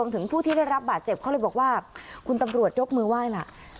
ถึงผู้ที่ได้รับบาดเจ็บเขาเลยบอกว่าคุณตำรวจยกมือไหว้ล่ะ